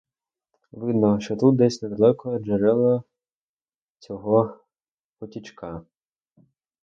Видно, що тут десь недалеко джерело цього потічка.